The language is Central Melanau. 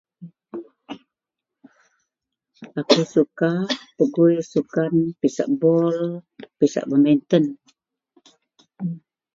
Akou suka pegoi sukan pisak bol pisak badminton.